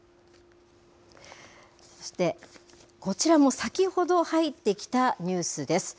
そして、こちらも先ほど入ってきたニュースです。